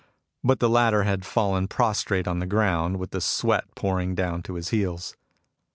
But the latter had fallen prostrate on the ground, with the sweat pouring down to his heels.